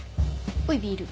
ほいビール。